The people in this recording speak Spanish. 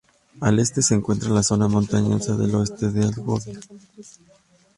Al este se encuentra la zona montañosa del Oeste de Algovia.